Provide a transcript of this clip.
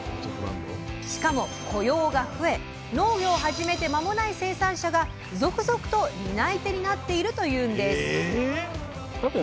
しかも雇用が増え農業を始めて間もない生産者が続々と担い手になっているというんです！